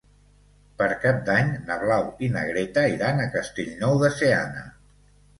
Per Cap d'Any na Blau i na Greta iran a Castellnou de Seana.